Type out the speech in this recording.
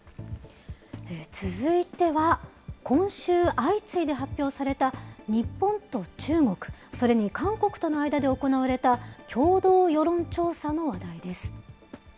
続いては今週相次いで発表された、日本と中国、それに韓国との間で行われた、共同世論調査の話題です。